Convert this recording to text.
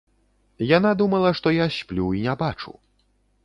Яна думала, што я сплю і не бачу.